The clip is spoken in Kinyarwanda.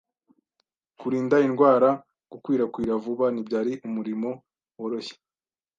Kurinda indwara gukwirakwira vuba ntibyari umurimo woroshye.